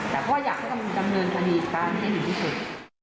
แต่เพราะว่าอยากให้กำเนินคณีย์การให้ดีที่สุด